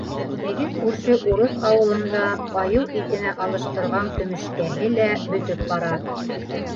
Теге күрше урыҫ ауылында «айыу итенә» алыштырған көмөшкәһе лә бөтөп бара.